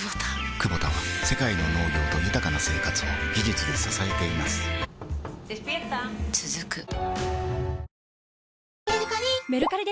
クボタは世界の農業と豊かな生活を技術で支えています起きて。